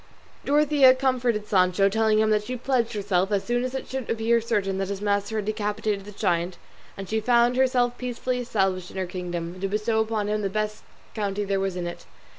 Dorothea comforted Sancho, telling him that she pledged herself, as soon as it should appear certain that his master had decapitated the giant, and she found herself peacefully established in her kingdom, to bestow upon him the best county there was in it.